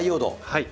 はい。